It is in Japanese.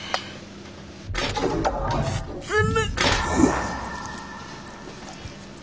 包む！